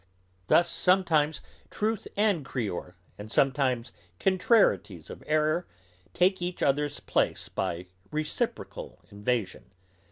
Thus sometimes truth and criour, and sometimes contrarieties of errour, take each other's place by reciprocal invasion.